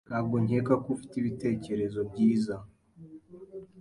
Ntabwo nkeka ko ufite ibitekerezo byiza.